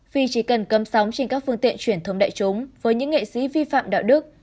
vì chỉ cần cấm sóng trên các phương tiện truyền thông đại chúng với những nghệ sĩ vi phạm đạo đức